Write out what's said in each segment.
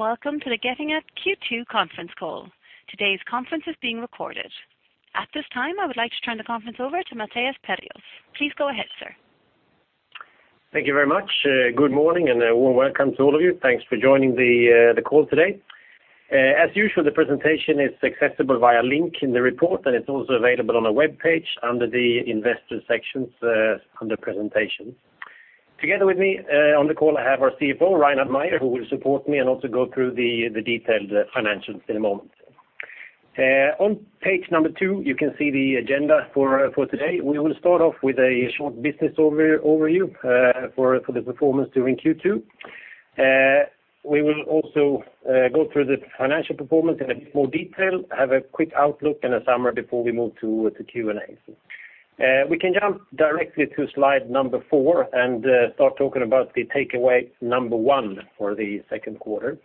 Good day, and welcome to the Getinge Q2 conference call. Today's conference is being recorded. At this time, I would like to turn the conference over to Mattias Perjos. Please go ahead, sir. Thank you very much. Good morning, and a warm welcome to all of you. Thanks for joining the call today. As usual, the presentation is accessible via link in the report, and it's also available on our webpage under the investor sections, under presentations. Together with me, on the call, I have our CFO, Reinhard Mayer, who will support me and also go through the detailed financials in a moment. On page number two, you can see the agenda for today. We will start off with a short business overview, for the performance during Q2. We will also go through the financial performance in a bit more detail, have a quick outlook and a summary before we move to Q&A. We can jump directly to slide number 4 and start talking about the takeaway number one for the second quarter.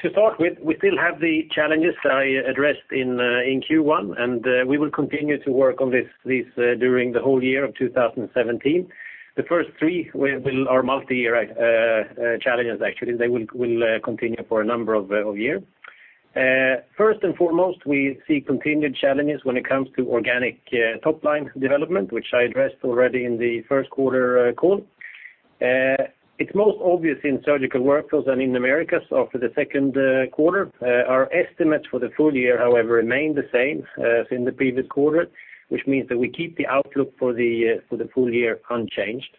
To start with, we still have the challenges that I addressed in Q1, and we will continue to work on this during the whole year of 2017. The first three are multiyear challenges, actually. They will continue for a number of years. First and foremost, we see continued challenges when it comes to organic top-line development, which I addressed already in the first quarter call. It's most obvious in Surgical Workflows and in Americas after the second quarter. Our estimates for the full year, however, remain the same as in the previous quarter, which means that we keep the outlook for the full year unchanged.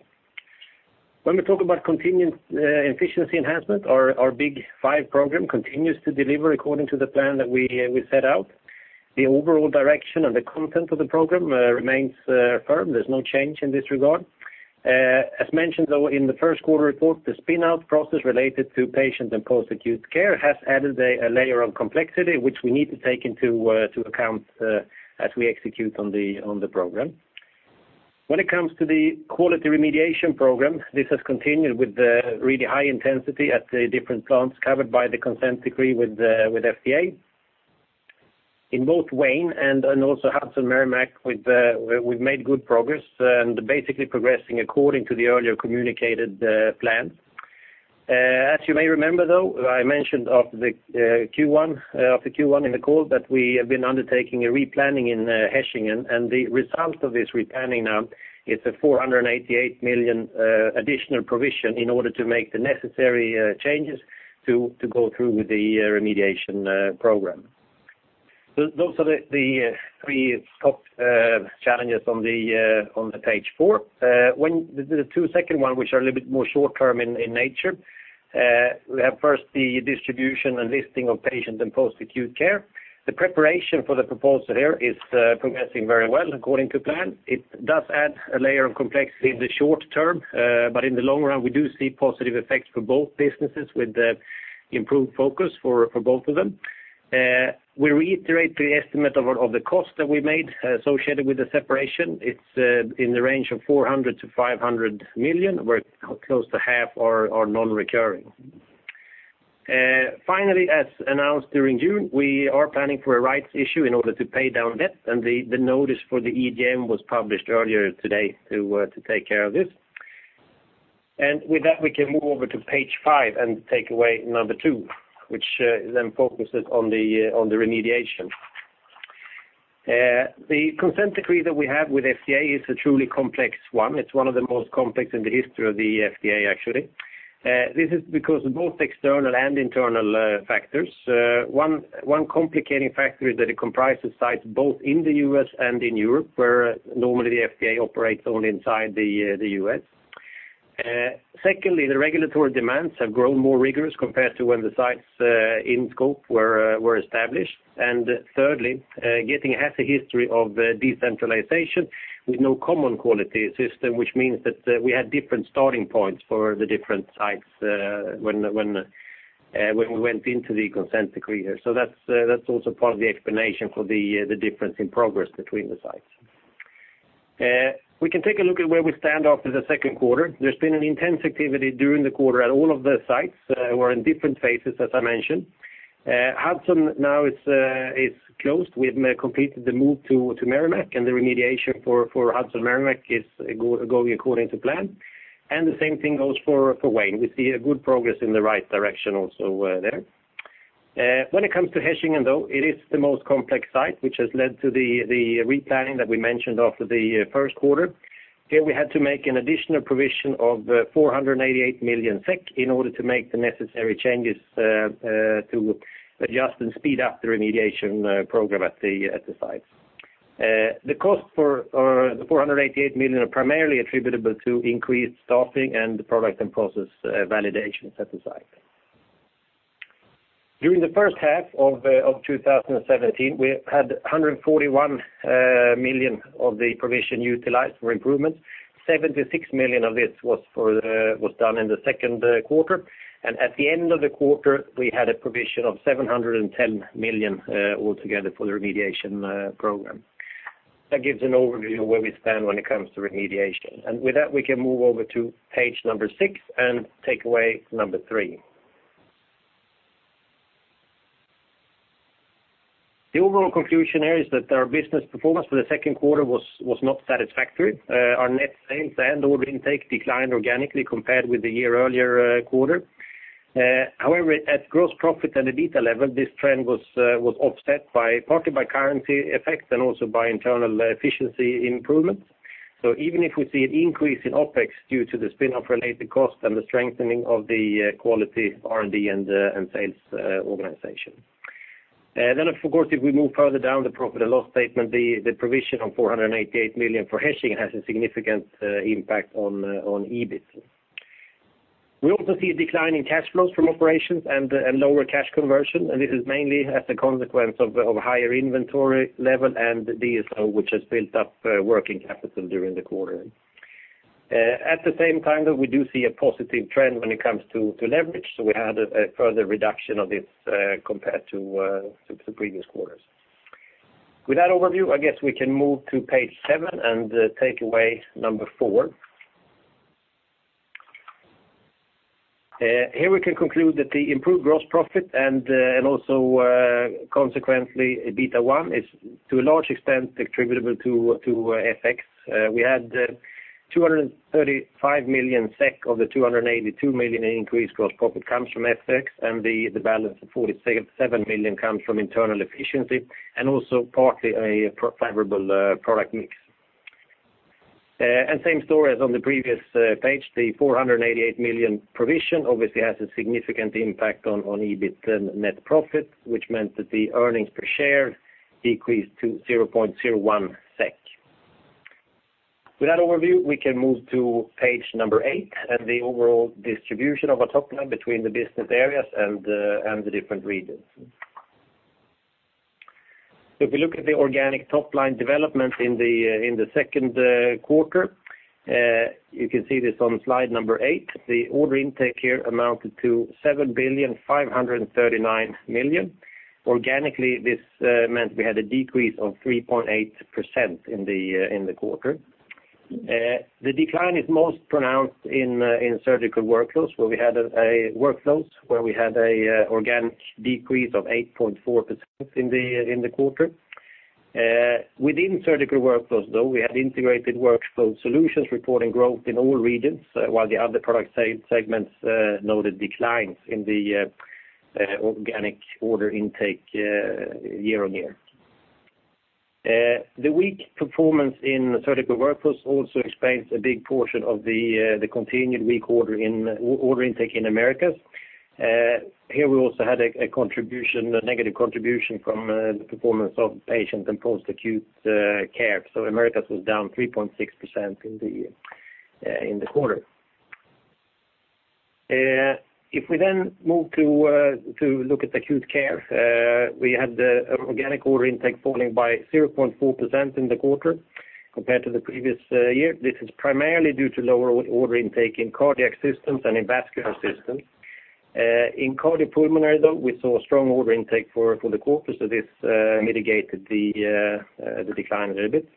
When we talk about continued efficiency enhancement, our Big Five program continues to deliver according to the plan that we set out. The overall direction and the content of the program remains firm. There's no change in this regard. As mentioned, though, in the first quarter report, the spin-out process related to Patient and Post-Acute Care has added a layer of complexity, which we need to take into account as we execute on the program. When it comes to the Quality Remediation program, this has continued with the really high intensity at the different plants covered by the Consent Decree with FDA. In both Wayne and also Hudson Merrimack, we've made good progress, and basically progressing according to the earlier communicated plan. As you may remember, though, I mentioned after Q1 in the call, that we have been undertaking a replanning in Hechingen, and the result of this replanning now is a 488 million additional provision in order to make the necessary changes to go through with the remediation program. So those are the three top challenges on the page four. The two-second one, which are a little bit more short term in nature, we have first the distribution and listing of Patient and Post-Acute Care. The preparation for the proposal here is progressing very well according to plan. It does add a layer of complexity in the short term, but in the long run, we do see positive effects for both businesses with the improved focus for both of them. We reiterate the estimate of the cost that we made associated with the separation. It's in the range of 400 million to 500 million, where close to half are non-recurring. Finally, as announced during June, we are planning for a rights issue in order to pay down debt, and the notice for the EGM was published earlier today to take care of this. With that, we can move over to page five and takeaway number two, which then focuses on the remediation. The Consent Decree that we have with FDA is a truly complex one. It's one of the most complex in the history of the FDA, actually. This is because of both external and internal factors. One complicating factor is that it comprises sites both in the U.S. and in Europe, where normally the FDA operates only inside the U.S. Secondly, the regulatory demands have grown more rigorous compared to when the sites in scope were established. And thirdly, Getinge has a history of decentralization with no common quality system, which means that we had different starting points for the different sites when we went into the consent decree here. So that's also part of the explanation for the difference in progress between the sites. We can take a look at where we stand after the second quarter. There's been an intense activity during the quarter at all of the sites who are in different phases, as I mentioned. Hudson now is closed. We have completed the move to Merrimack, and the remediation for Hudson Merrimack is going according to plan. The same thing goes for Wayne. We see a good progress in the right direction also there. When it comes to Hechingen, though, it is the most complex site, which has led to the replanning that we mentioned after the first quarter. Here, we had to make an additional provision of 488 million SEK in order to make the necessary changes to adjust and speed up the remediation program at the site. The cost for the 488 million are primarily attributable to increased staffing and product and process validation at the site. During the first half of 2017, we had 141 million of the provision utilized for improvements. 76 million of this was for was done in the second quarter. And at the end of the quarter, we had a provision of 710 million altogether for the remediation program. That gives an overview of where we stand when it comes to remediation. And with that, we can move over to page number six and takeaway number three. The overall conclusion here is that our business performance for the second quarter was was not satisfactory. Our net sales and order intake declined organically compared with the year earlier quarter. However, at gross profit and the EBITDA level, this trend was offset by, partly by currency effects and also by internal efficiency improvements. So even if we see an increase in OpEx due to the spin-off related costs and the strengthening of the quality R&D and sales organization. And then, of course, if we move further down the profit and loss statement, the provision on 488 million for hedging has a significant impact on EBIT. We also see a decline in cash flows from operations and lower cash conversion, and this is mainly as a consequence of higher inventory level and DSO, which has built up working capital during the quarter. At the same time, though, we do see a positive trend when it comes to leverage, so we had a further reduction of this, compared to the previous quarters. With that overview, I guess we can move to page seven and takeaway number four. Here we can conclude that the improved gross profit and also consequently, EBITA 1, is to a large extent attributable to FX. We had 235 million SEK of the 282 million increase gross profit comes from FX, and the balance of 47 million comes from internal efficiency and also partly a more favorable product mix. Same story as on the previous page, the 488 million provision obviously has a significant impact on EBIT and net profit, which meant that the earnings per share decreased to 0.01 SEK. With that overview, we can move to page eight and the overall distribution of our top line between the business areas and the different regions. If you look at the organic top line development in the second quarter, you can see this on slide eight, the order intake here amounted to 7,539 million. Organically, this meant we had a decrease of 3.8% in the quarter. The decline is most pronounced in surgical workflows, where we had an organic decrease of 8.4% in the quarter. Within surgical workflows, though, we had integrated workflow solutions reporting growth in all regions, while the other product segments noted declines in the organic order intake year-on-year. The weak performance in surgical workflows also explains a big portion of the continued weak order intake in Americas. Here, we also had a negative contribution from the performance of patient and post-acute care. So Americas was down 3.6% in the quarter. If we then move to look at Acute Care, we had the organic order intake falling by 0.4% in the quarter compared to the previous year. This is primarily due to lower order intake in Cardiac Systems and in Vascular Systems. In Cardiopulmonary, though, we saw a strong order intake for the quarter, so this mitigated the decline a little bit.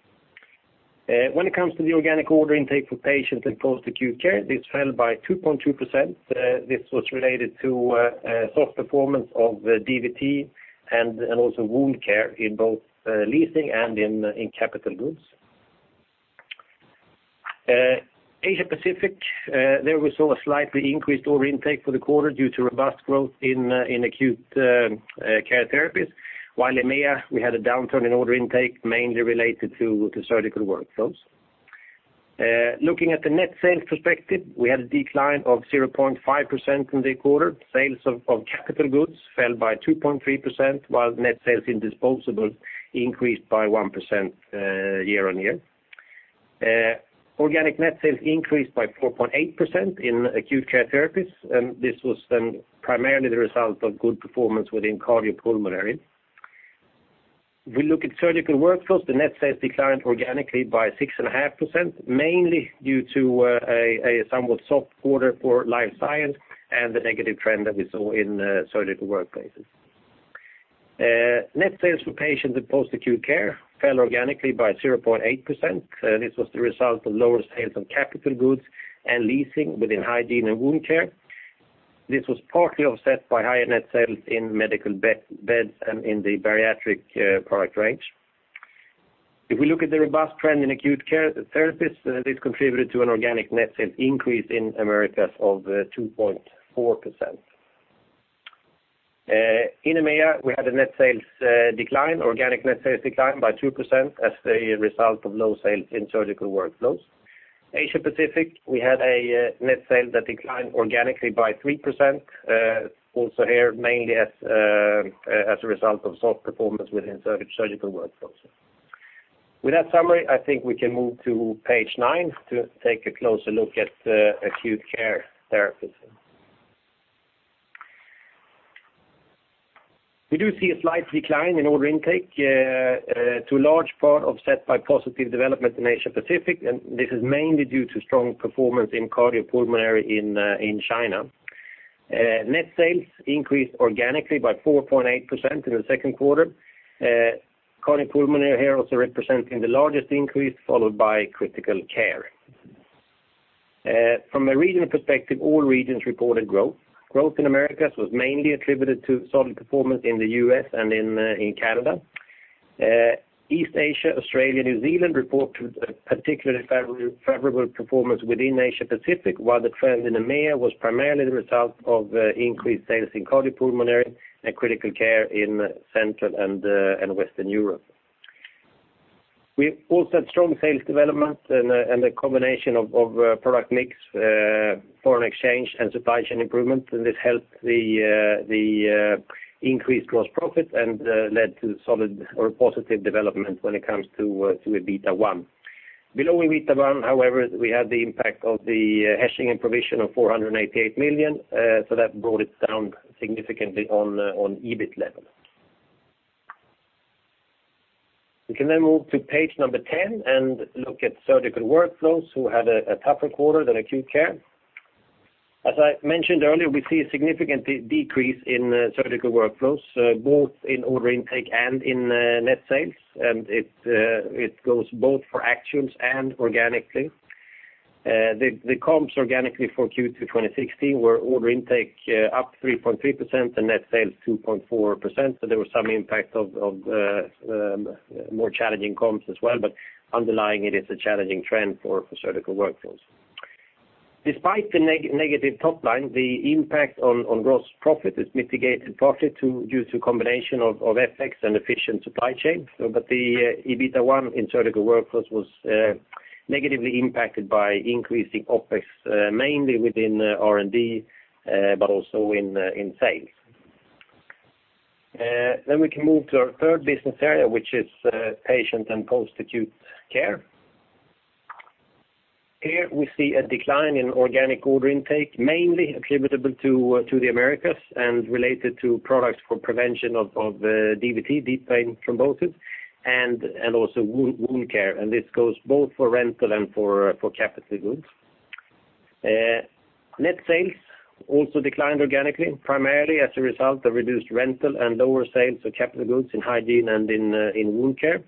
When it comes to the organic order intake for patients in Post-Acute Care, this fell by 2.2%. This was related to a soft performance of DVT and also Wound Care in both leasing and capital goods. Asia Pacific, there we saw a slightly increased order intake for the quarter due to robust growth in acute care therapies, while EMEA, we had a downturn in order intake, mainly related to surgical workflows. Looking at the net sales perspective, we had a decline of 0.5% in the quarter. Sales of capital goods fell by 2.3%, while net sales in disposables increased by 1%, year on year. Organic net sales increased by 4.8% in Acute Care Therapies, and this was then primarily the result of good performance within Cardiopulmonary. We look at Surgical Workflows, the net sales declined organically by 6.5%, mainly due to a somewhat soft quarter for Life Science and the negative trend that we saw in Surgical Workplaces. Net sales for Patient & Post-Acute Care fell organically by 0.8%. This was the result of lower sales on capital goods and leasing within hygiene and wound care. This was partly offset by higher net sales in medical beds and in the bariatric product range. If we look at the robust trend in Acute Care Therapies, this contributed to an organic net sales increase in Americas of 2.4%. In EMEA, we had a net sales decline, organic net sales decline by 2% as a result of low sales in Surgical Workflows. Asia Pacific, we had a net sales that declined organically by 3%, also here, mainly as a result of soft performance within surgical workflows. With that summary, I think we can move to page nine to take a closer look at Acute Care Therapies. We do see a slight decline in order intake to a large part offset by positive development in Asia Pacific, and this is mainly due to strong performance in Cardiopulmonary in China. Net sales increased organically by 4.8% in the second quarter. Cardiopulmonary here also representing the largest increase, followed by Critical Care. From a regional perspective, all regions reported growth. Growth in Americas was mainly attributed to solid performance in the U.S. and in Canada. East Asia, Australia, New Zealand reported a particularly favorable performance within Asia Pacific, while the trend in EMEA was primarily the result of increased sales in Cardiopulmonary and Critical Care in Central and Western Europe. We also had strong sales development and a combination of product mix, foreign exchange, and supply chain improvement, and this helped the increased gross profit and led to solid or positive development when it comes to EBITA 1. Below EBITA 1, however, we had the impact of the hedging and provision of 488 million, so that brought it down significantly on EBIT level. We can then move to page 10 and look at Surgical Workflows, who had a tougher quarter than Acute Care. As I mentioned earlier, we see a significant decrease in Surgical Workflows, both in order intake and in net sales, and it goes both for actions and organically. The comps organically for Q2 2016 were order intake up 3.3% and net sales 2.4%, so there was some impact of more challenging comps as well, but underlying it is a challenging trend for Surgical Workflows. Despite the negative top line, the impact on gross profit is mitigated partly due to a combination of FX and efficient supply chain, but the EBITA 1 in Surgical Workflows was negatively impacted by increasing OpEx, mainly within R&D, but also in sales. Then we can move to our third business area, which is Patient and Post-Acute Care. Here, we see a decline in organic order intake, mainly attributable to the Americas and related to products for prevention of DVT, deep vein thrombosis, and also Wound Care, and this goes both for rental and for capital goods. Net sales also declined organically, primarily as a result of reduced rental and lower sales of capital goods in hygiene and in Wound Care.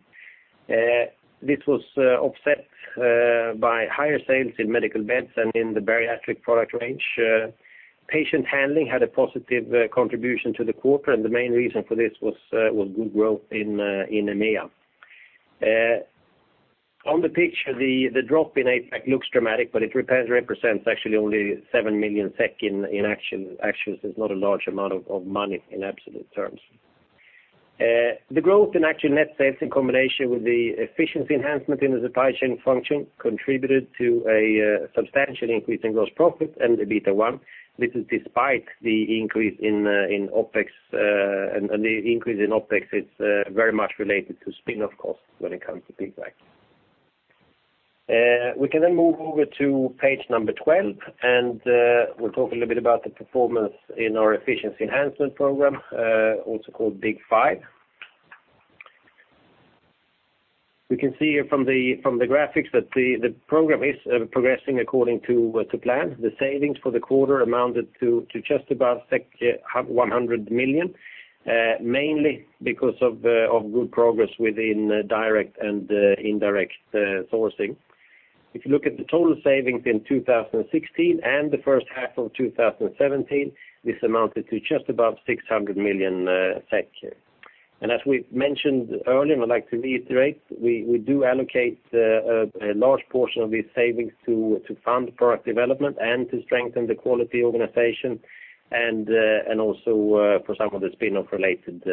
This was offset by higher sales in Medical Beds and in the Bariatric product range. Patient Handling had a positive contribution to the quarter, and the main reason for this was good growth in EMEA. On the picture, the drop in APAC looks dramatic, but it represents actually only 7 million SEK. Actually, it's not a large amount of money in absolute terms. The growth in actual net sales, in combination with the efficiency enhancement in the supply chain function, contributed to a substantial increase in gross profit and EBITA 1. This is despite the increase in OpEx, and the increase in OpEx. It's very much related to spin-off costs when it comes to Piggyback. We can then move over to page number 12, and we'll talk a little bit about the performance in our efficiency enhancement program, also called Big Five. We can see here from the graphics that the program is progressing according to plan. The savings for the quarter amounted to just about 100 million, mainly because of good progress within direct and indirect sourcing. If you look at the total savings in 2016 and the first half of 2017, this amounted to just above 600 million SEK. And as we've mentioned earlier, and I'd like to reiterate, we do allocate a large portion of these savings to fund product development and to strengthen the quality organization, and also for some of the spin-off related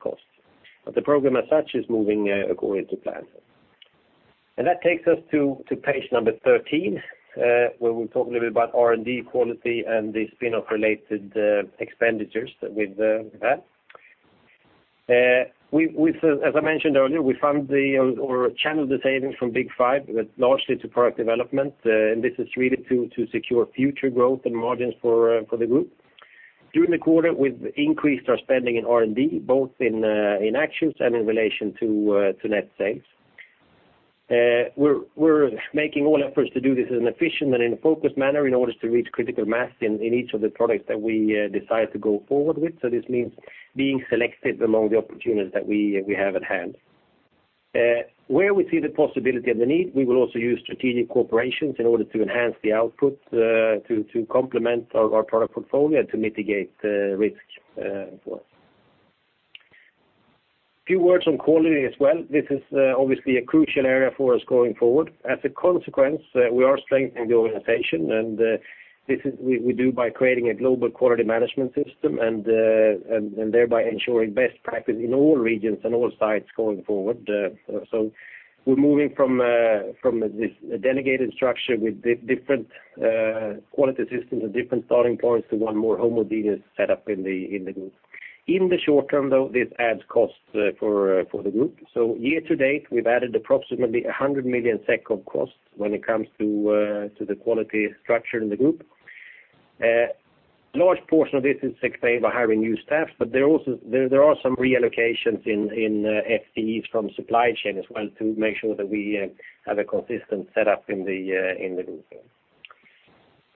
costs. But the program as such is moving according to plan. And that takes us to page number 13, where we'll talk a little bit about R&D quality and the spin-off related expenditures with that. As I mentioned earlier, we've channeled the savings from Big Five largely to product development, and this is really to secure future growth and margins for the group. During the quarter, we've increased our spending in R&D, both in absolute and in relation to net sales. We're making all efforts to do this in an efficient and focused manner in order to reach critical mass in each of the products that we decide to go forward with, so this means being selective among the opportunities that we have at hand. Where we see the possibility and the need, we will also use strategic collaborations in order to enhance the output, to complement our product portfolio to mitigate risk, as well. A few words on quality as well. This is obviously a crucial area for us going forward. As a consequence, we are strengthening the organization, and this is—we do by creating a global quality management system and, and thereby ensuring best practice in all regions and all sites going forward. So we're moving from this delegated structure with different quality systems and different starting points to one more homogeneous setup in the group. In the short term, though, this adds costs for the group. So year to date, we've added approximately 100 million SEK of costs when it comes to the quality structure in the group. A large portion of this is explained by hiring new staff, but there are also some reallocations in FTEs from supply chain as well to make sure that we have a consistent setup in the group.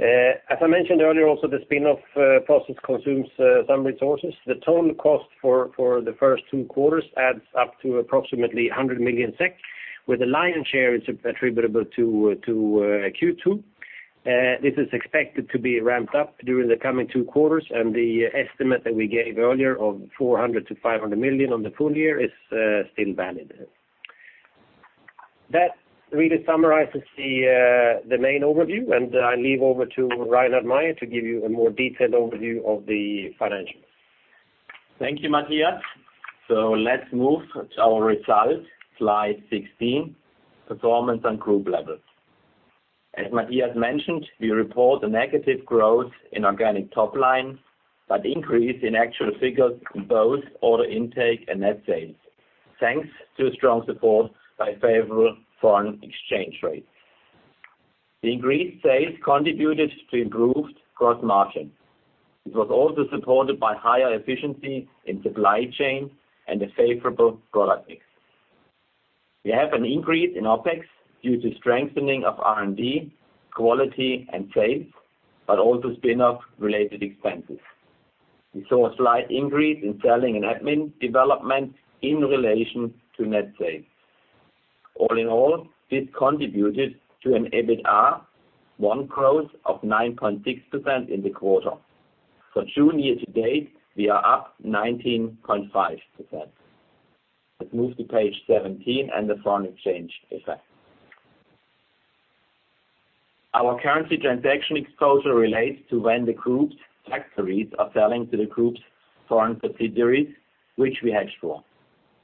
As I mentioned earlier, also, the spin-off process consumes some resources. The total cost for the first two quarters adds up to approximately 100 million SEK, where the lion's share is attributable to Q2. This is expected to be ramped up during the coming two quarters, and the estimate that we gave earlier of 400 million to 500 million on the full year is still valid. That really summarizes the main overview, and I leave over to Reinhard Mayer to give you a more detailed overview of the financials. Thank you, Mattias. So let's move to our results, slide 16, performance on group levels. As Mattias mentioned, we report a negative growth in organic top line, but increase in actual figures in both order intake and net sales, thanks to strong support by favorable foreign exchange rates. The increased sales contributed to improved gross margin. It was also supported by higher efficiency in supply chain and a favorable product mix. We have an increase in OpEx due to strengthening of R&D, quality, and sales, but also spin-off related expenses. We saw a slight increase in selling and admin development in relation to net sales. All in all, this contributed to an EBITA1 growth of 9.6% in the quarter. For June year to date, we are up 19.5%. Let's move to page 17 and the foreign exchange effect. Our currency transaction exposure relates to when the group's factories are selling to the group's foreign subsidiaries, which we hedge for.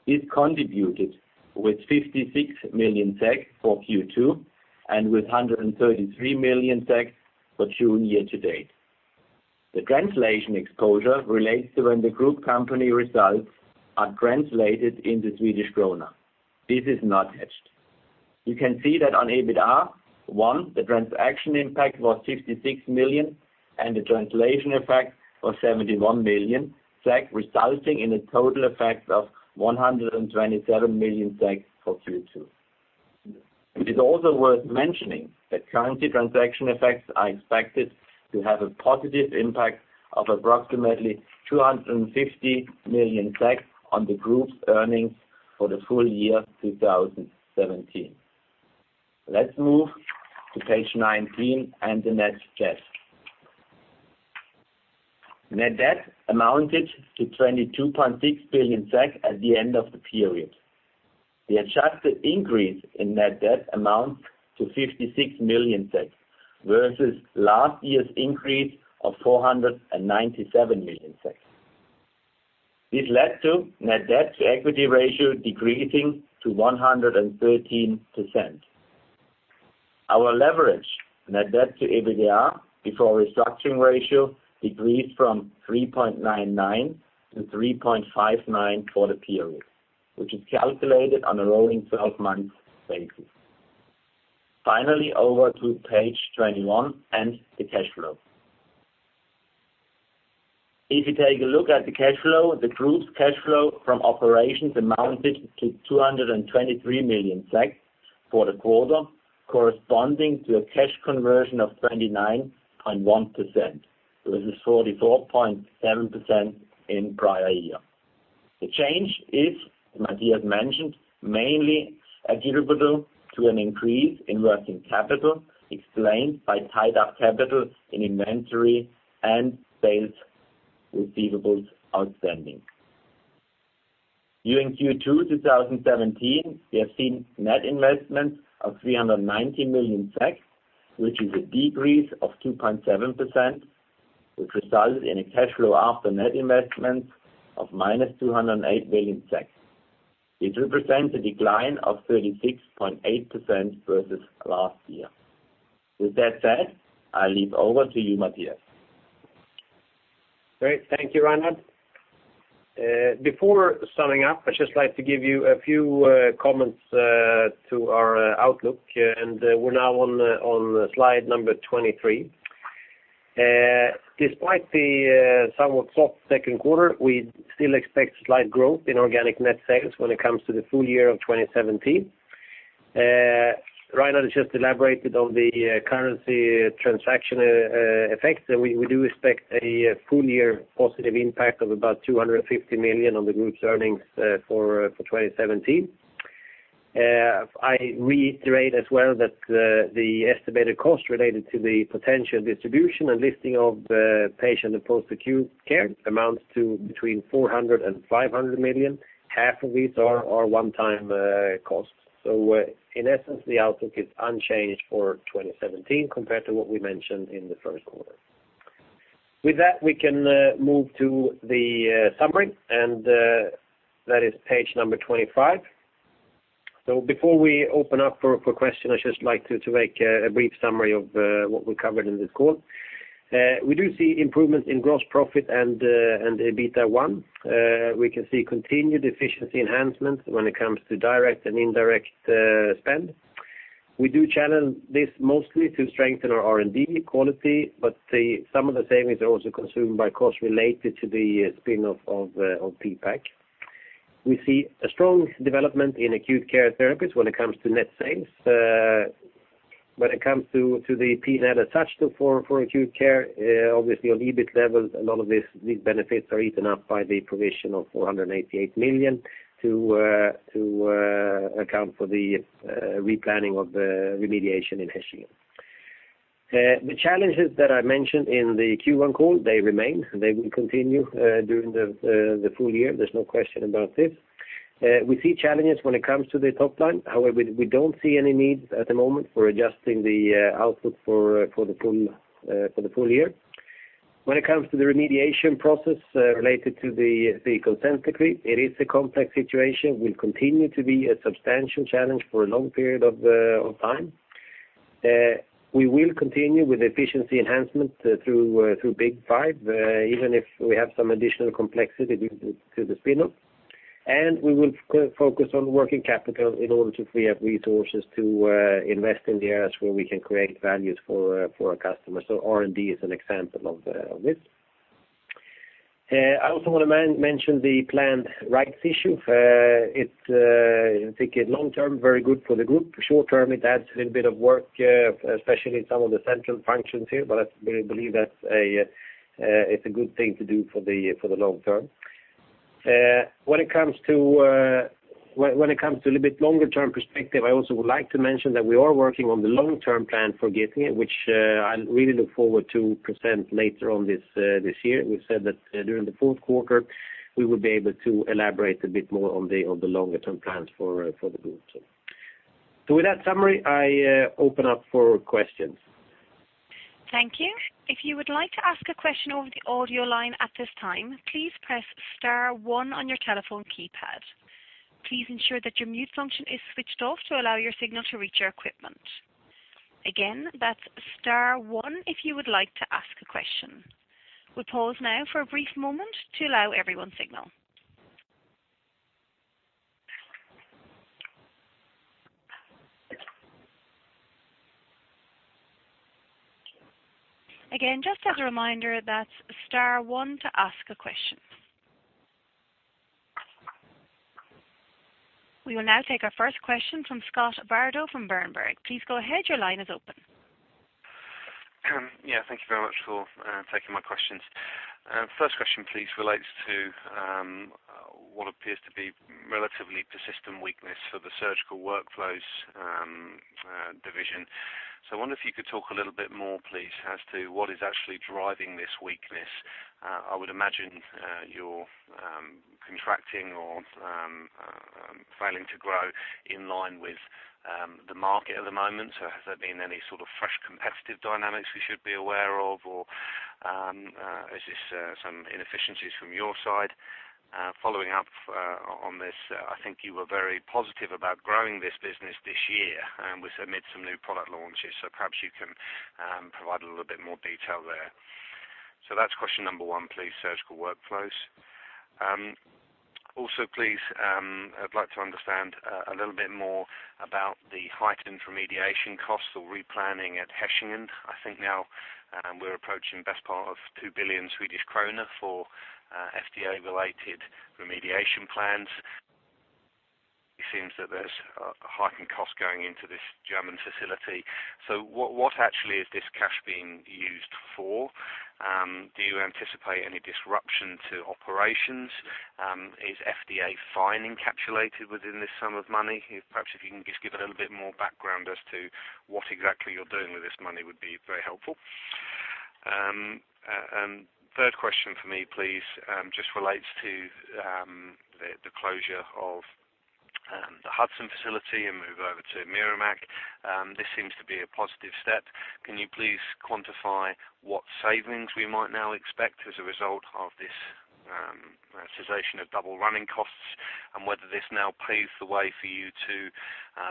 This contributed with 56 million for Q2, and with 133 million for June year to date. The translation exposure relates to when the group company results are translated into Swedish krona. This is not hedged. You can see that on EBITA1, the transaction impact was 56 million, and the translation effect was 71 million, resulting in a total effect of 127 million for Q2. It is also worth mentioning that currency transaction effects are expected to have a positive impact of approximately 250 million on the group's earnings for the full year 2017. Let's move to page 19 and the net debt. Net debt amounted to 22.6 billion SEK at the end of the period. The adjusted increase in net debt amounts to 56 million, versus last year's increase of 497 million. This led to net debt to equity ratio decreasing to 113%. Our leverage, net debt to EBITDA before restructuring ratio, decreased from 3.99 to 3.59 for the period, which is calculated on a rolling 12-month basis. Finally, over to page 21 and the cash flow. If you take a look at the cash flow, the group's cash flow from operations amounted to 223 million for the quarter, corresponding to a cash conversion of 29.1%, versus 44.7% in prior year. The change is, Mattias mentioned, mainly attributable to an increase in working capital, explained by tied-up capital in inventory and sales receivables outstanding. During Q2 2017, we have seen net investments of 390 million, which is a decrease of 2.7%, which resulted in a cash flow after net investment of -208 million. It represents a decline of 36.8% versus last year. With that said, I'll leave over to you, Mattias. Great, thank you, Reinhard. Before summing up, I'd just like to give you a few comments to our outlook, and we're now on slide number 23. Despite the somewhat soft second quarter, we still expect slight growth in organic net sales when it comes to the full year of 2017. Reinhard has just elaborated on the currency transaction effects, and we do expect a full year positive impact of about 250 million on the group's earnings for 2017. I reiterate as well that the estimated cost related to the potential distribution and listing of the Patient and Post-Acute Care amounts to between 400-500 million. Half of these are one-time costs. In essence, the outlook is unchanged for 2017 compared to what we mentioned in the first quarter. With that, we can move to the summary, and that is page number 25. Before we open up for questions, I'd just like to make a brief summary of what we covered in this call. We do see improvements in gross profit and EBITA 1. We can see continued efficiency enhancements when it comes to direct and indirect spend. We do challenge this mostly to strengthen our R&D quality, but some of the savings are also consumed by costs related to the spin-off of PPAC. We see a strong development in Acute Care Therapies when it comes to net sales. When it comes to the net attached to the acute care, obviously, on EBIT levels, a lot of these benefits are eaten up by the provision of 488 million to account for the replanning of the remediation in Hechingen. The challenges that I mentioned in the Q1 call, they remain, and they will continue during the full year. There's no question about this. We see challenges when it comes to the top line. However, we don't see any needs at the moment for adjusting the output for the full year. When it comes to the remediation process related to the consent decree, it is a complex situation, will continue to be a substantial challenge for a long period of time. We will continue with efficiency enhancement through Big5, even if we have some additional complexity due to the spin-off. We will focus on working capital in order to free up resources to invest in the areas where we can create values for our customers. R&D is an example of this. I also want to mention the planned Rights Issue. It's, I think, in long term, very good for the group. Short term, it adds a little bit of work, especially in some of the central functions here, but we believe that's a, it's a good thing to do for the long term. When it comes to a little bit longer-term perspective, I also would like to mention that we are working on the long-term plan for Getinge, which I really look forward to present later on this year. We said that during the fourth quarter, we would be able to elaborate a bit more on the longer-term plans for the group. So with that summary, I open up for questions. Thank you. If you would like to ask a question over the audio line at this time, please press star one on your telephone keypad. Please ensure that your mute function is switched off to allow your signal to reach our equipment. Again, that's star one if you would like to ask a question. We'll pause now for a brief moment to allow everyone's signal. Again, just as a reminder, that's star one to ask a question. We will now take our first question from Scott Bardo from Berenberg. Please go ahead, your line is open. Yeah, thank you very much for taking my questions. First question, please, relates to what appears to be relatively persistent weakness for the Surgical Workflows division. So I wonder if you could talk a little bit more, please, as to what is actually driving this weakness. I would imagine you're contracting or failing to grow in line with the market at the moment. So has there been any sort of fresh competitive dynamics we should be aware of, or is this some inefficiencies from your side? Following up on this, I think you were very positive about growing this business this year with some new product launches, so perhaps you can provide a little bit more detail there. So that's question number one, please, Surgical Workflows. Also, please, I'd like to understand a little bit more about the heightened remediation costs or replanning at Hechingen. I think now, and we're approaching best part of 2 billion Swedish kronor for FDA-related remediation plans. It seems that there's a heightened cost going into this German facility. So what, what actually is this cash being used for? Do you anticipate any disruption to operations? Is FDA fine encapsulated within this sum of money? Perhaps if you can just give a little bit more background as to what exactly you're doing with this money would be very helpful. Third question for me, please, just relates to the closure of the Hudson facility and move over to Merrimack. This seems to be a positive step. Can you please quantify what savings we might now expect as a result of this, cessation of double running costs, and whether this now paves the way for you to,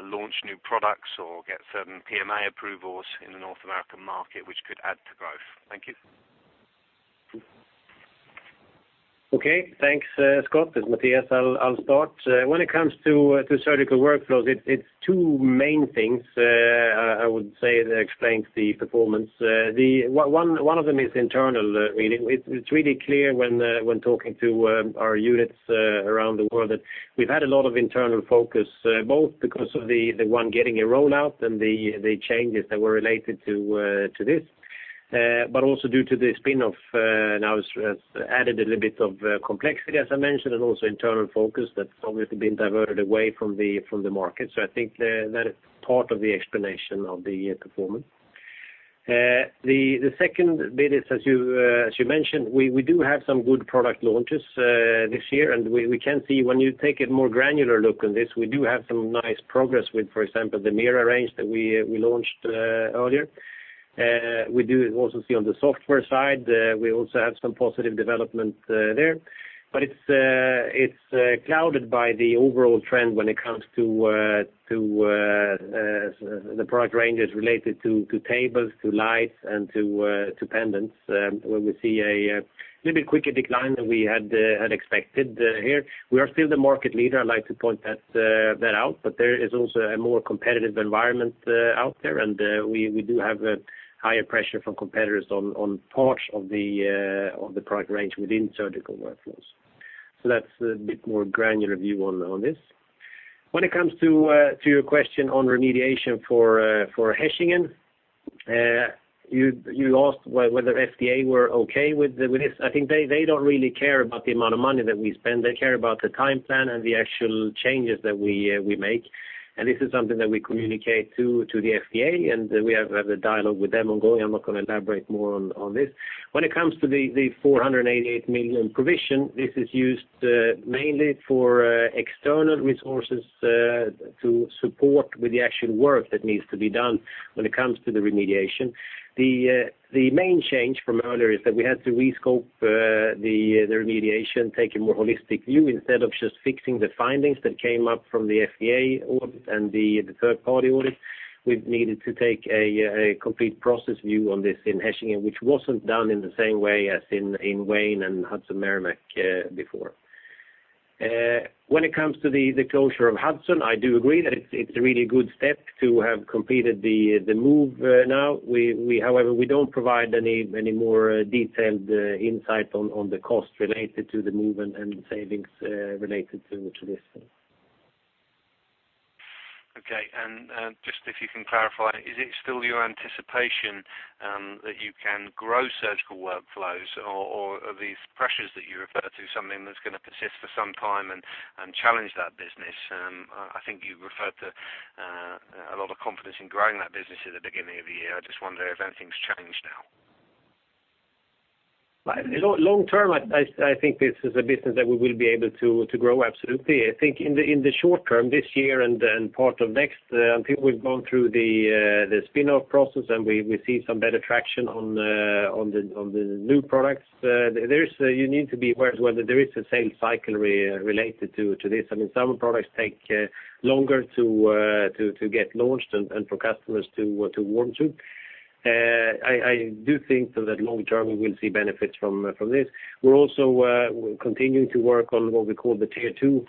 launch new products or get certain PMA approvals in the North American market, which could add to growth? Thank you. Okay, thanks, Scott. It's Mattias. I'll start. When it comes to Surgical Workflows, it's two main things, I would say that explains the performance. The one of them is internal. Really, it's really clear when talking to our units around the world, that we've had a lot of internal focus, both because of the One Getinge rollout and the changes that were related to this. But also due to the spin-off, now has added a little bit of complexity, as I mentioned, and also internal focus that's obviously been diverted away from the market. So I think that is part of the explanation of the performance. The second bit is, as you mentioned, we do have some good product launches this year, and we can see when you take a more granular look on this, we do have some nice progress with, for example, the Mira range that we launched earlier. We do also see on the software side, we also have some positive development there. But it's clouded by the overall trend when it comes to the product ranges related to tables, to lights, and to pendants, where we see a little bit quicker decline than we had expected here. We are still the market leader. I'd like to point that out, but there is also a more competitive environment out there, and we do have a higher pressure from competitors on parts of the product range within Surgical Workflows. So that's a bit more granular view on this. When it comes to your question on remediation for Hechingen, you asked whether FDA were okay with this. I think they don't really care about the amount of money that we spend. They care about the time plan and the actual changes that we make. And this is something that we communicate to the FDA, and we have had a dialogue with them ongoing. I'm not gonna elaborate more on this. When it comes to the 488 million provision, this is used mainly for external resources to support with the actual work that needs to be done when it comes to the remediation. The main change from earlier is that we had to rescope the remediation, take a more holistic view, instead of just fixing the findings that came up from the FDA audit and the third-party audit. We've needed to take a complete process view on this in Hechingen, which wasn't done in the same way as in Wayne and Hudson, Merrimack before. When it comes to the closure of Hudson, I do agree that it's a really good step to have completed the move now. However, we don't provide any more detailed insight on the cost related to the move and savings related to this. Okay. And just if you can clarify, is it still your anticipation that you can grow Surgical Workflows, or are these pressures that you refer to something that's gonna persist for some time and challenge that business? I think you referred to a lot of confidence in growing that business at the beginning of the year. I just wonder if anything's changed now. Well, long term, I think this is a business that we will be able to grow, absolutely. I think in the short term, this year and then part of next, I think we've gone through the spin-off process, and we see some better traction on the new products. There is. You need to be aware whether there is a sales cycle related to this. I mean, some products take longer to get launched and for customers to warm to. I do think that long term, we will see benefits from this. We're also continuing to work on what we call the Tier Two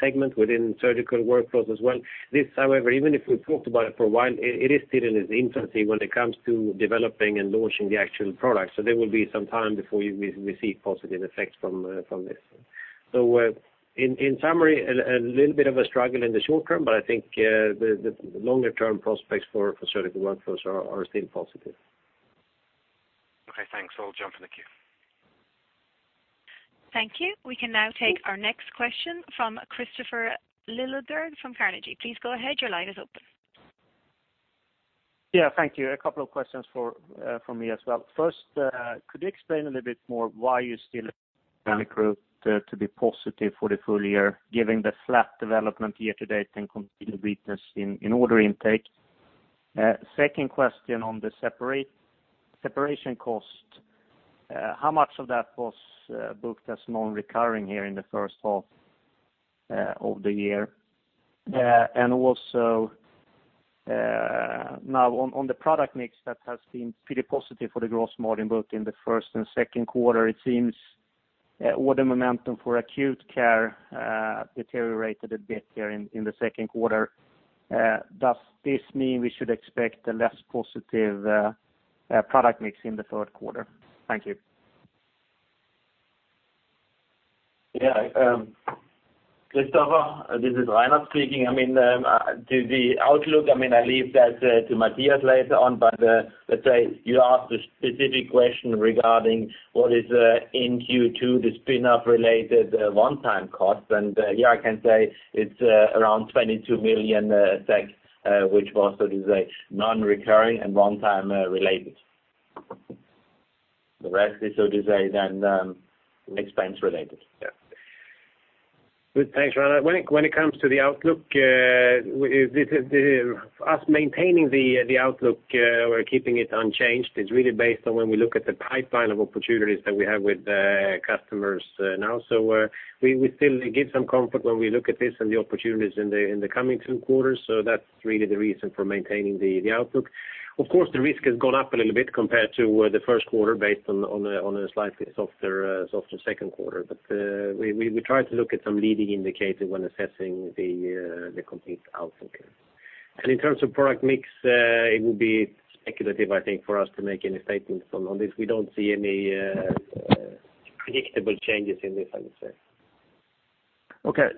segment within Surgical Workflows as well. This, however, even if we talked about it for a while, it is still in its infancy when it comes to developing and launching the actual products. So there will be some time before we see positive effects from this. So, in summary, a little bit of a struggle in the short term, but I think the longer term prospects for Surgical Workflows are still positive. Okay, thanks. I'll jump in the queue. Thank you. We can now take our next question from Kristofer Liljeberg from Carnegie. Please go ahead. Your line is open. Yeah, thank you. A couple of questions for, from me as well. First, could you explain a little bit more why you still expect growth to be positive for the full year, given the flat development year to date and continued weakness in order intake? Second question on the separation cost, how much of that was booked as non-recurring here in the first half of the year? And also, now on the product mix, that has been pretty positive for the gross margin, both in the first and second quarter. It seems order momentum for acute care deteriorated a bit here in the second quarter. Does this mean we should expect a less positive product mix in the third quarter? Thank you. Yeah, Kristofer, this is Rainer speaking. I mean, the outlook, I mean, I leave that to Matthias later on, but, let's say you asked a specific question regarding what is in Q2, the spin-off related one-time costs. And, here I can say it's around 22 million, which was so to say, non-recurring and one-time related. The rest is so to say, then, expense related. Yeah. Good. Thanks, Rainer. When it comes to the outlook, this is us maintaining the outlook or keeping it unchanged, is really based on when we look at the pipeline of opportunities that we have with customers now. So, we try to look at some leading indicators when assessing the complete outlook. And in terms of product mix, it would be speculative, I think, for us to make any statements on this. We don't see any predictable changes in this, I would say. Okay.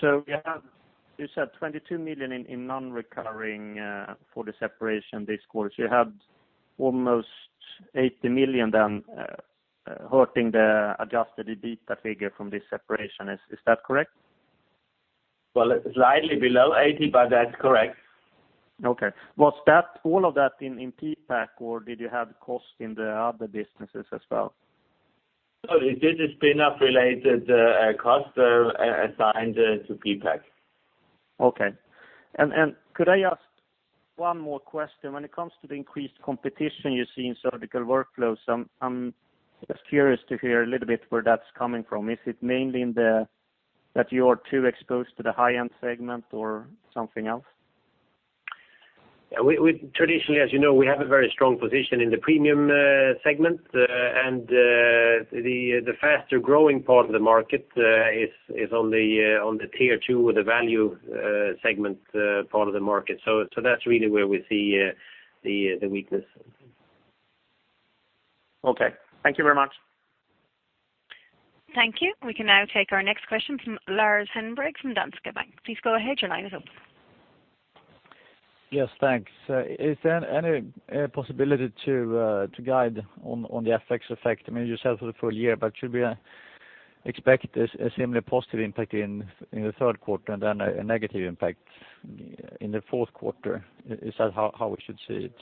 So you have, you said 22 million in non-recurring for the separation this quarter. You had almost 80 million then, hurting the adjusted EBITDA figure from this separation. Is that correct? Well, slightly below 80, but that's correct. Okay. Was that all of that in PPAC, or did you have costs in the other businesses as well? No, this is spin-off-related cost assigned to PPAC. Okay. Could I ask one more question? When it comes to the increased competition you see in Surgical Workflows, I'm just curious to hear a little bit where that's coming from. Is it mainly that you are too exposed to the high-end segment or something else? Yeah, we traditionally, as you know, we have a very strong position in the premium segment, and the faster growing part of the market is on the Tier two or the value segment part of the market. So that's really where we see the weakness. Okay, thank you very much. Thank you. We can now take our next question from Lars Hevreng, from Danske Bank. Please go ahead, your line is open. Yes, thanks. Is there any possibility to guide on the FX effect, I mean, yourself for the full year, but should we expect a similar positive impact in the third quarter and then a negative impact in the fourth quarter? Is that how we should see it?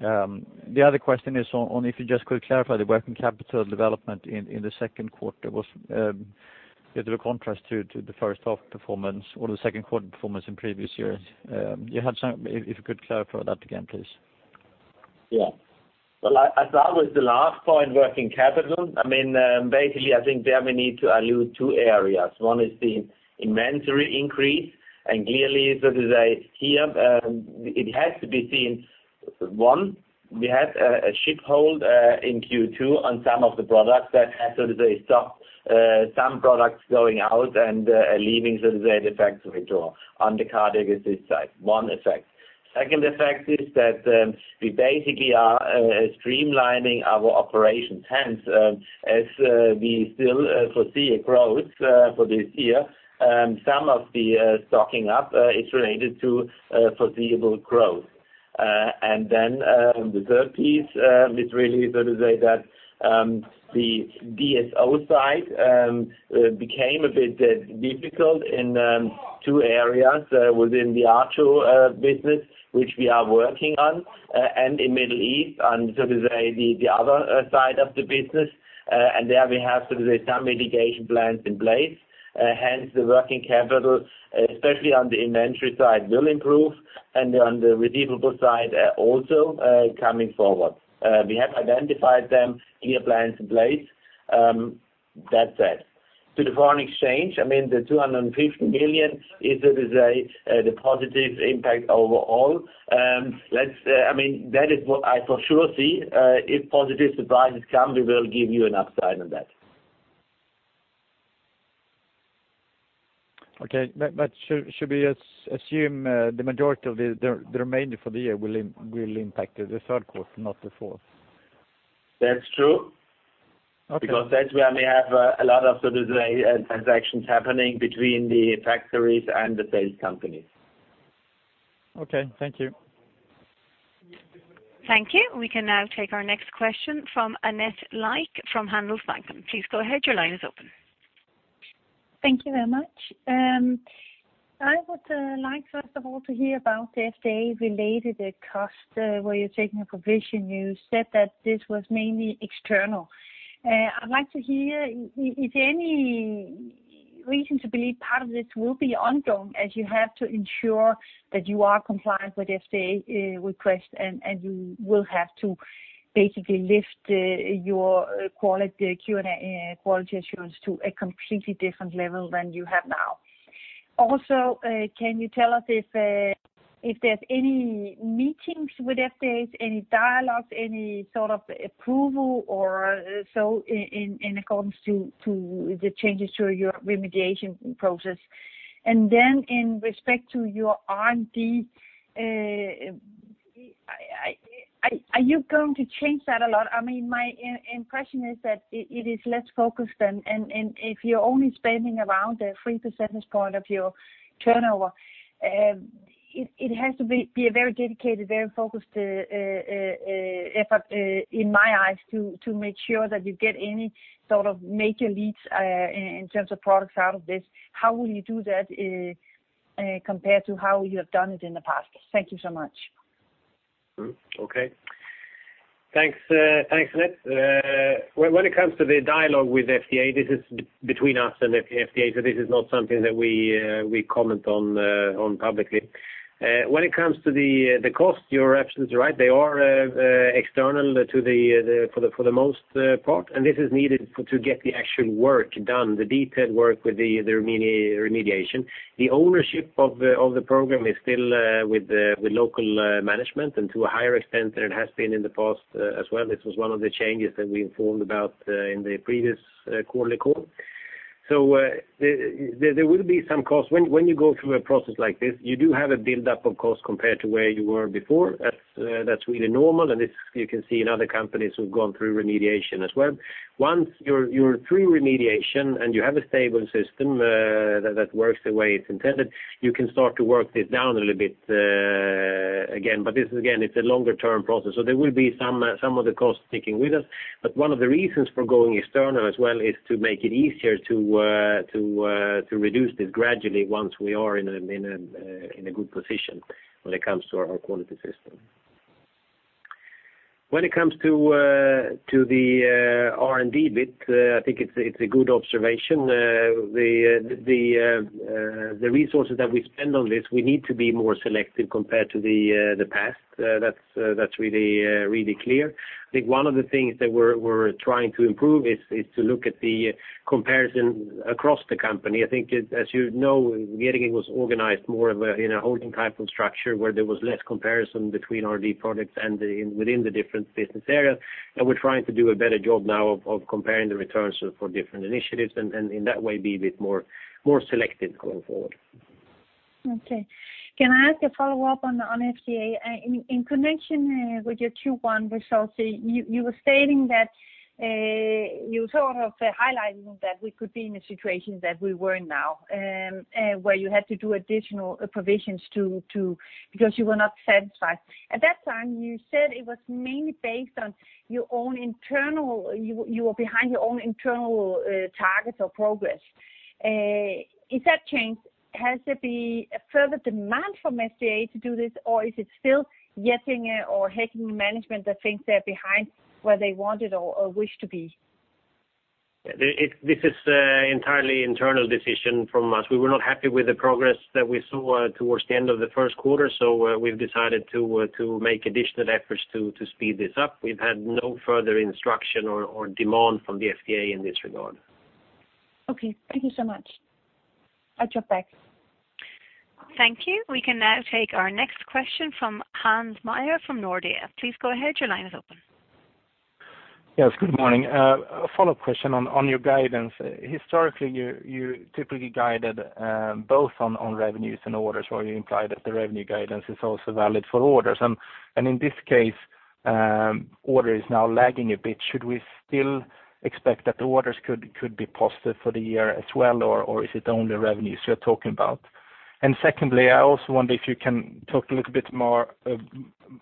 The other question is on if you just could clarify the working capital development in the second quarter was a little contrast to the first half performance or the second quarter performance in previous years. If you could clarify that again, please. Yeah. Well, I start with the last point, working capital. I mean, basically, I think there we need to allude to two areas. One is the inventory increase, and clearly, so to say, here, it has to be seen. One, we had a ship hold in Q2 on some of the products that had sort of stopped some products going out and leaving sort of the effects of it on the Cardiac Assist side. One effect. Second effect is that we basically are streamlining our operations, hence, as we still foresee a growth for this year, some of the stocking up is related to foreseeable growth. And then, the third piece is really so to say that the DSO side became a bit difficult in two areas within the Tier two business, which we are working on, and in Middle East on, so to say, the other side of the business, and there we have, so to say, some mitigation plans in place. Hence, the working capital, especially on the inventory side, will improve, and on the receivable side also coming forward. We have identified them in a plan in place, that said. To the foreign exchange, I mean, the 250 million is, so to say, the positive impact overall. Let's, I mean, that is what I for sure see, if positive surprises come, we will give you an upside on that. Okay, but should we assume the majority of the remainder for the year will impact the third quarter, not the fourth? That's true. Okay. Because that's where we have a lot of, so to say, transactions happening between the factories and the sales companies. Okay, thank you. Thank you. We can now take our next question from Annette Lykke, from Handelsbanken. Please go ahead, your line is open. Thank you very much. I would like, first of all, to hear about the FDA related cost where you're taking a provision. You said that this was mainly external. I'd like to hear if any reason to believe part of this will be ongoing, as you have to ensure that you are compliant with FDA request, and you will have to basically lift your quality, Q&A, quality assurance to a completely different level than you have now. Also, can you tell us if there's any meetings with FDA, any dialogues, any sort of approval or so in accordance to the changes to your remediation process? And then in respect to your R&D, are you going to change that a lot? I mean, my impression is that it is less focused than, and if you're only spending around 3% of your turnover, it has to be a very dedicated, very focused effort in terms of products out of this. How will you do that compared to how you have done it in the past? Thank you so much. Thanks, thanks, Annette. When it comes to the dialogue with FDA, this is between us and FDA, so this is not something that we comment on publicly. When it comes to the cost, you're absolutely right. They are external, for the most part, and this is needed to get the actual work done, the detailed work with the remediation. The ownership of the program is still with the local management, and to a higher extent than it has been in the past, as well. This was one of the changes that we informed about in the previous quarterly call. So, there will be some costs. When you go through a process like this, you do have a buildup of costs compared to where you were before. That's really normal, and this you can see in other companies who've gone through remediation as well. Once you're through remediation and you have a stable system that works the way it's intended, you can start to work this down a little bit again. But this, again, it's a longer-term process, so there will be some of the costs sticking with us. But one of the reasons for going external as well is to make it easier to reduce this gradually once we are in a good position when it comes to our quality system. When it comes to the R&D bit, I think it's a good observation. The resources that we spend on this, we need to be more selective compared to the past. That's really clear. I think one of the things that we're trying to improve is to look at the comparison across the company. I think, as you know, Getinge was organized more of a holding type of structure, where there was less comparison between R&D products and within the different business areas. And we're trying to do a better job now of comparing the returns for different initiatives, and in that way, be a bit more selective going forward.... Okay. Can I ask a follow-up on FDA? In connection with your 2Q results, you were stating that you sort of highlighting that we could be in a situation that we were in now, where you had to do additional provisions to because you were not satisfied. At that time, you said it was mainly based on your own internal, you were behind your own internal targets or progress. Is that changed? Has there be a further demand from FDA to do this, or is it still Getinge or higher management that thinks they're behind where they want it or wish to be? Yeah, this is entirely internal decision from us. We were not happy with the progress that we saw towards the end of the first quarter, so we've decided to make additional efforts to speed this up. We've had no further instruction or demand from the FDA in this regard. Okay, thank you so much. I drop back. Thank you. We can now take our next question from Hans Meyer from Nordea. Please go ahead, your line is open. Yes, good morning. A follow-up question on your guidance. Historically, you typically guided both on revenues and orders, or you implied that the revenue guidance is also valid for orders. And in this case, order is now lagging a bit. Should we still expect that the orders could be positive for the year as well, or is it only revenues you're talking about? And secondly, I also wonder if you can talk a little bit more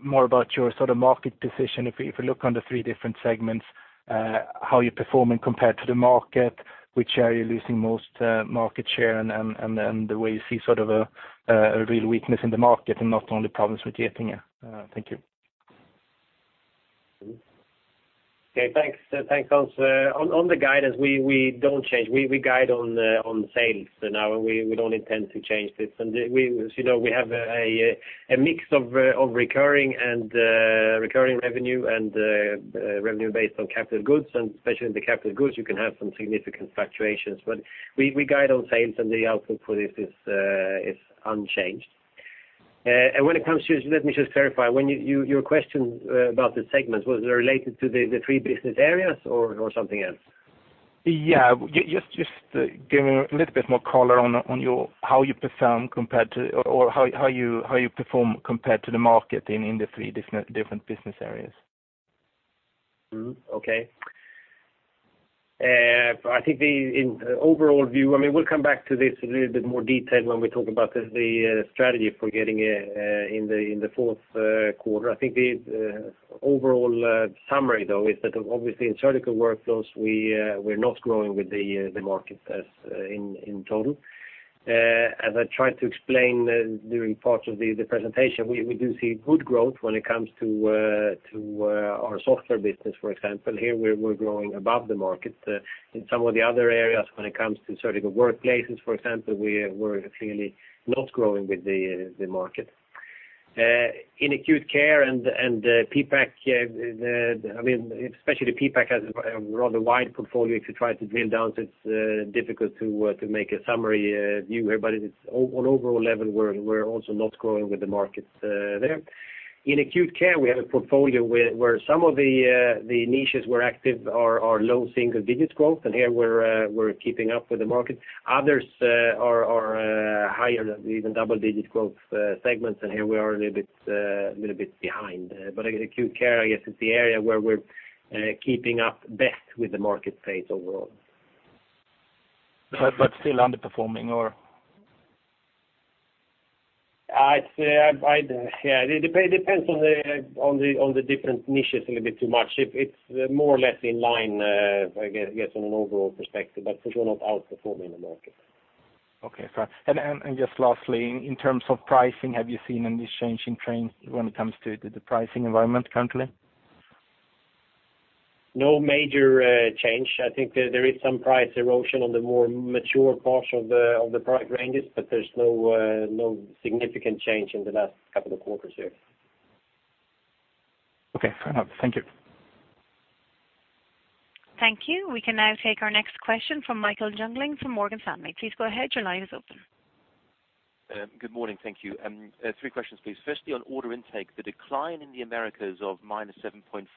about your sort of market position. If you look on the three different segments, how you're performing compared to the market, which area you're losing most market share, and the way you see sort of a real weakness in the market and not only problems with Getinge. Thank you. Okay, thanks, thanks, Hans. On the guidance, we don't change. We guide on sales now, and we don't intend to change this and we, as you know, we have a mix of recurring and recurring revenue and revenue based on capital goods, and especially in the capital goods, you can have some significant fluctuations. But we guide on sales, and the outlook for this is unchanged. And when it comes to, let me just clarify, when your question about the segments, was it related to the three business areas or something else? Yeah. Just give me a little bit more color on how you perform compared to, or how you perform compared to the market in the three different business areas. Okay. I think, in overall view, I mean, we'll come back to this in a little bit more detail when we talk about the strategy for Getinge in the fourth quarter. I think the overall summary, though, is that obviously in Surgical Workflows, we're not growing with the market as in total. As I tried to explain during parts of the presentation, we do see good growth when it comes to our software business, for example. Here, we're growing above the market. In some of the other areas, when it comes to Surgical Workplaces, for example, we're clearly not growing with the market. In acute care and PPAC, I mean, especially the PPAC has a rather wide portfolio. If you try to drill down, so it's difficult to make a summary view here, but it's on overall level, we're also not growing with the markets there. In acute care, we have a portfolio where some of the niches we're active are low single digits growth, and here we're keeping up with the market. Others are higher, even double-digit growth segments, and here we are a little bit behind. But acute care, I guess, is the area where we're keeping up best with the market pace overall. But still underperforming, or? I'd say, yeah, it depends on the different niches a little bit too much. It's more or less in line, I guess, yes, from an overall perspective, but for sure not outperforming the market. Okay, fair. And just lastly, in terms of pricing, have you seen any change in trend when it comes to the pricing environment currently? No major change. I think there is some price erosion on the more mature parts of the product ranges, but there's no significant change in the last couple of quarters here. Okay, fair enough. Thank you. Thank you. We can now take our next question from Michael Jungling from Morgan Stanley. Please go ahead, your line is open. Good morning. Thank you. Three questions, please. Firstly, on order intake, the decline in the Americas of -7.5%,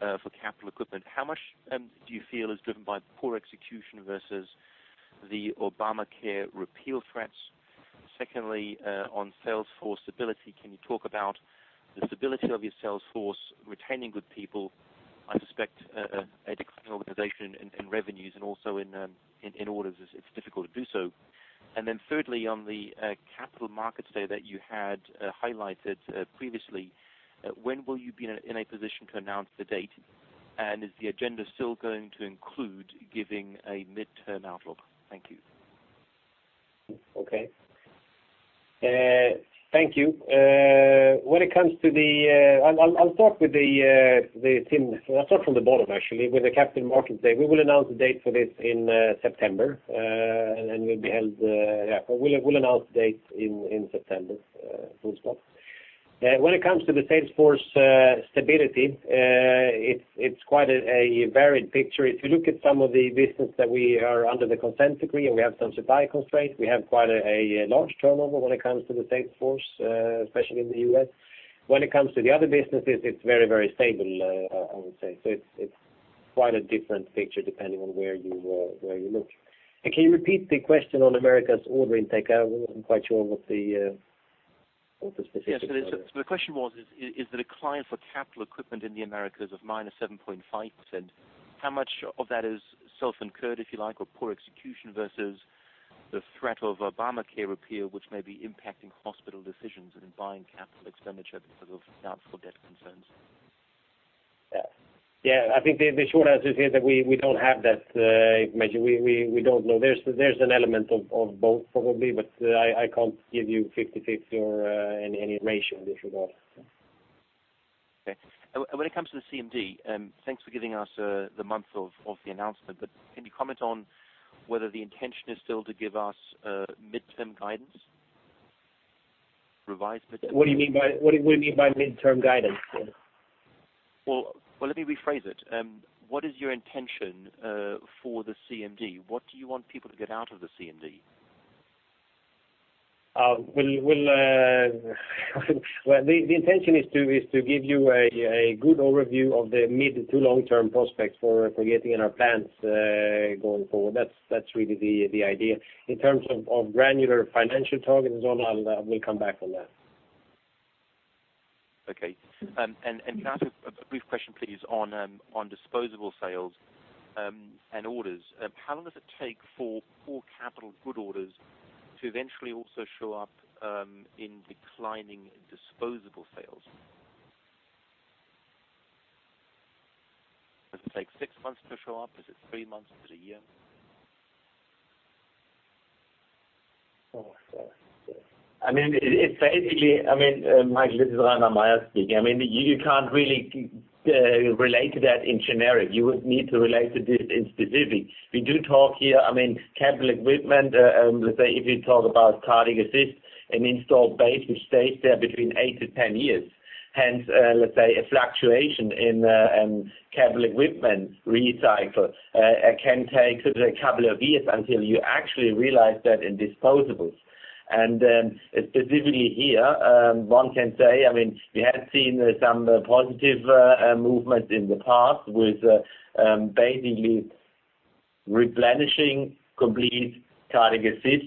for capital equipment, how much do you feel is driven by poor execution versus the Obamacare repeal threats? Secondly, on sales force stability, can you talk about the stability of your sales force, retaining good people? I suspect a decline in organization and revenues, and also in orders, it's difficult to do so. And then thirdly, on the capital market day that you had highlighted previously, when will you be in a position to announce the date, and is the agenda still going to include giving a midterm outlook? Thank you. Okay. Thank you. When it comes to the team. I'll start from the bottom, actually, with the capital markets day. We will announce the date for this in September, and then we'll be held, yeah, we'll announce the date in September, full stop. When it comes to the sales force stability, it's quite a varied picture. If you look at some of the business that we are under the consent decree, and we have some supply constraints, we have quite a large turnover when it comes to the sales force, especially in the U.S. When it comes to the other businesses, it's very, very stable, I would say. So it's quite a different picture depending on where you where you look. Can you repeat the question on Americas' order intake? I wasn't quite sure what the specifics are. Yes, so the question was, is the decline for capital equipment in the Americas of -7.5%, how much of that is self-incurred, if you like, or poor execution versus the threat of Obamacare repeal, which may be impacting hospital decisions and in buying capital expenditure because of doubtful debt concerns? Yeah. Yeah, I think the short answer is that we don't have that information. We don't know. There's an element of both probably, but I can't give you 50/50 or any ratio, if you will. Okay. And when it comes to the CMD, thanks for giving us the month of the announcement, but can you comment on whether the intention is still to give us midterm guidance? Revised midterm- What do you mean by, what do you mean by midterm guidance? Well, well, let me rephrase it. What is your intention for the CMD? What do you want people to get out of the CMD? The intention is to give you a good overview of the mid- to long-term prospects for Getinge and our plans going forward. That's really the idea. In terms of granular financial targets and so on, we'll come back on that. Okay. And can I ask a brief question, please, on disposable sales and orders. How long does it take for poor capital goods orders to eventually also show up in declining disposable sales? Does it take six months to show up? Is it three months? Is it a year? Oh, sorry. I mean, it's basically, I mean, Michael, this is Reinhard Mayer speaking. I mean, you can't really relate to that in generic. You would need to relate to this in specific. We do talk here, I mean, capital equipment, let's say if you talk about Cardiac Assist, an installed base, which stays there between eight to 10 years, hence, let's say a fluctuation in capital equipment recycle can take sort of a couple of years until you actually realize that in disposables. And, specifically here, one can say, I mean, we have seen some positive movement in the past with basically replenishing complete Cardiac Assist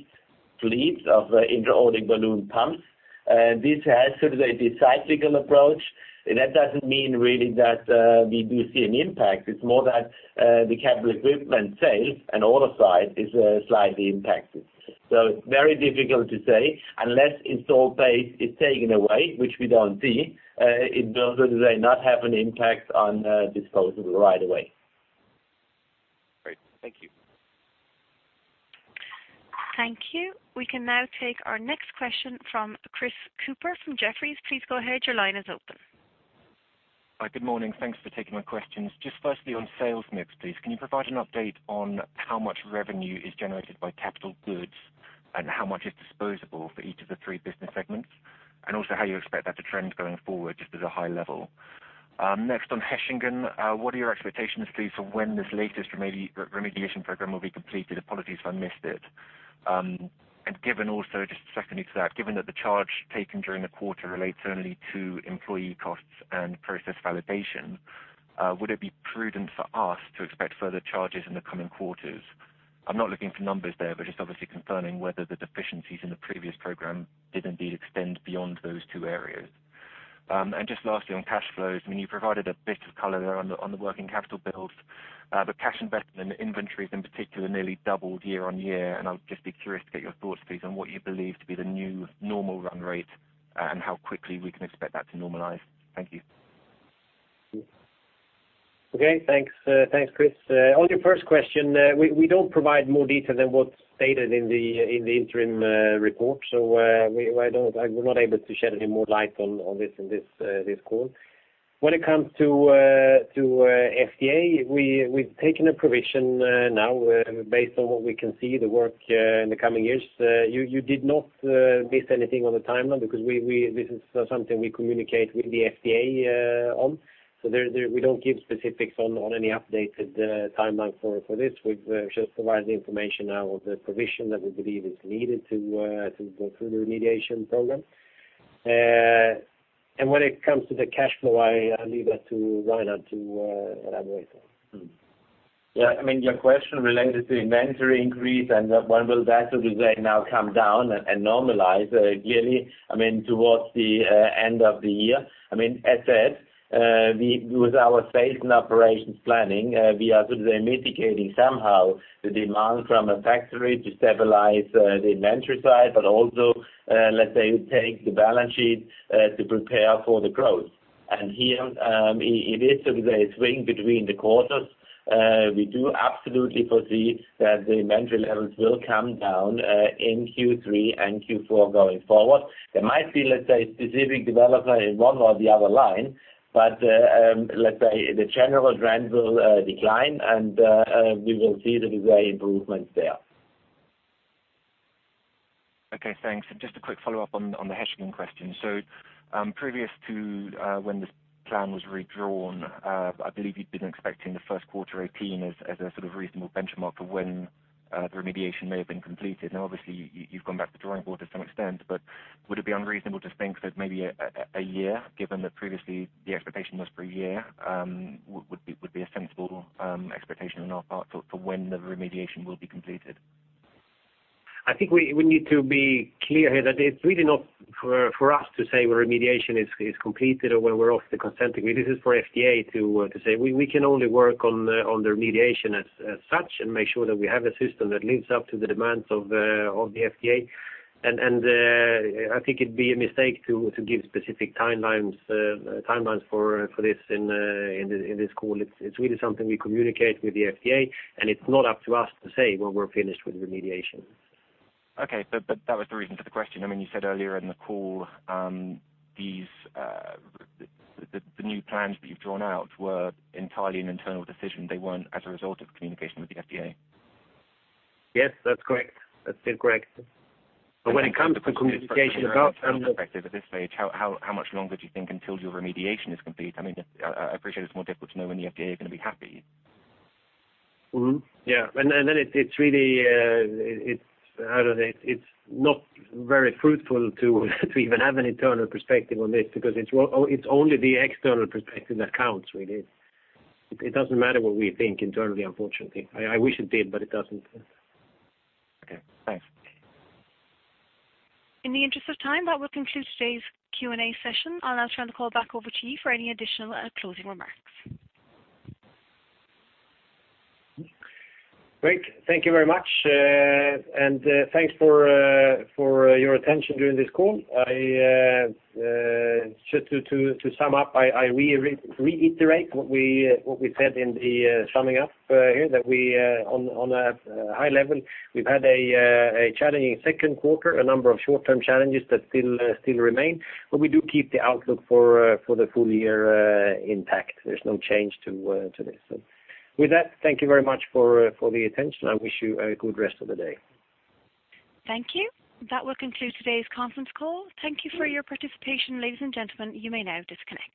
fleets of intra-aortic balloon pumps. This has sort of a decyclical approach, and that doesn't mean really that we do see an impact. It's more that, the capital equipment sale and order side is, slightly impacted. So it's very difficult to say, unless installed base is taken away, which we don't see, it does, sort of say, not have an impact on, disposable right away. Great. Thank you. Thank you. We can now take our next question from Chris Cooper, from Jefferies. Please go ahead. Your line is open. Hi, good morning. Thanks for taking my questions. Just firstly, on sales mix, please, can you provide an update on how much revenue is generated by capital goods and how much is disposable for each of the three business segments? And also, how you expect that to trend going forward, just at a high level. Next, on Hechingen, what are your expectations, please, for when this latest remediation program will be completed? Apologies if I missed it. And given also, just secondly to that, given that the charge taken during the quarter relates only to employee costs and process validation, would it be prudent for us to expect further charges in the coming quarters? I'm not looking for numbers there, but just obviously confirming whether the deficiencies in the previous program did indeed extend beyond those two areas. And just lastly, on cash flows, I mean, you provided a bit of color there on the, on the working capital build, but cash investment in inventories in particular nearly doubled year-on-year, and I'll just be curious to get your thoughts, please, on what you believe to be the new normal run rate, and how quickly we can expect that to normalize. Thank you. Okay. Thanks, thanks, Chris. On your first question, we don't provide more detail than what's stated in the, in the interim report. So, I don't, I'm not able to shed any more light on, on this, in this, this call. When it comes to, to, FDA, we've taken a provision, now, based on what we can see, the work, in the coming years. You did not miss anything on the timeline because we, this is something we communicate with the FDA, on. So there, we don't give specifics on, on any updated, timeline for, for this. We've just provided the information now of the provision that we believe is needed to, to go through the remediation program. When it comes to the cash flow, I leave that to Reinhard to elaborate on. Yeah, I mean, your question related to inventory increase and when will that, sort of say, now come down and normalize, clearly, I mean, towards the end of the year. I mean, as said, we, with our sales and operations planning, we are sort of mitigating somehow the demand from a factory to stabilize the inventory side, but also, let's say, take the balance sheet to prepare for the growth. And here, it is sort of a swing between the quarters. We do absolutely foresee that the inventory levels will come down in Q3 and Q4 going forward. There might be, let's say, a specific development in one or the other line, but, let's say the general trend will decline, and we will see the very improvements there. Okay, thanks. And just a quick follow-up on the Hechingen question. So, previous to when this plan was redrawn, I believe you'd been expecting the first quarter 2018 as a sort of reasonable benchmark for when the remediation may have been completed. Now, obviously, you, you've gone back to the drawing board to some extent, but would it be unreasonable to think that maybe a year, given that previously the expectation was for a year, would be a sensible expectation on our part for when the remediation will be completed? I think we need to be clear here that it's really not for us to say where remediation is completed or when we're off the consent decree. This is for FDA to say. We can only work on the remediation as such, and make sure that we have a system that lives up to the demands of the FDA. And I think it'd be a mistake to give specific timelines for this in this call. It's really something we communicate with the FDA, and it's not up to us to say when we're finished with remediation. Okay. But that was the reason for the question. I mean, you said earlier in the call, the new plans that you've drawn out were entirely an internal decision. They weren't as a result of communication with the FDA. Yes, that's correct. That's correct. But when it comes to communication about- At this stage, how much longer do you think until your remediation is complete? I mean, I appreciate it's more difficult to know when the FDA is gonna be happy. Mm-hmm. Yeah. And then it, it's really, it's... I don't know, it's not very fruitful to even have an internal perspective on this because it's only the external perspective that counts, really. It doesn't matter what we think internally, unfortunately. I wish it did, but it doesn't. Okay, thanks. In the interest of time, that will conclude today's Q&A session. I'll now turn the call back over to you for any additional closing remarks. Great. Thank you very much, and thanks for your attention during this call. I just to sum up, I reiterate what we said in the summing up here, that we on a high level, we've had a challenging second quarter, a number of short-term challenges that still remain, but we do keep the outlook for the full year intact. There's no change to this. So with that, thank you very much for the attention. I wish you a good rest of the day. Thank you. That will conclude today's conference call. Thank you for your participation, ladies and gentlemen. You may now disconnect.